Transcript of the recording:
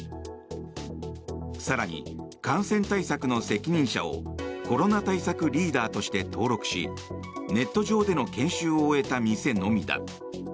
更に、感染対策の責任者をコロナ対策リーダーとして登録しネット上での研修を終えた店のみだ。